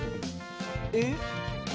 えっ？